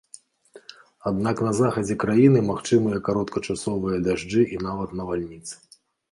Аднак на захадзе краіны магчымыя кароткачасовыя дажджы і нават навальніцы.